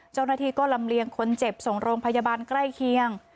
เจ้าหน้าที่ก็ลำเลียงคนเจ็บส่งโรงพยาบาลใกล้เคียง